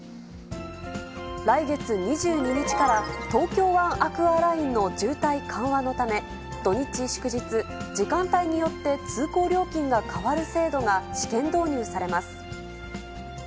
来月２２日から東京湾アクアラインの渋滞緩和のため、土日祝日、時間帯によって通行料金が変わる制度が試験導入されます。